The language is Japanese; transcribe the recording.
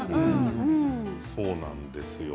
そうなんですよ。